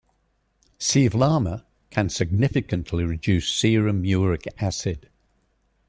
Sevelamer can significantly reduce serum uric acid.